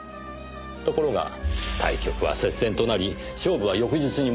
ところが対局は接戦となり勝負は翌日に持ち越されました。